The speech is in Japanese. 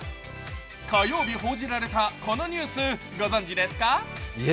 火曜日、報じられたこのニュースご存じですか？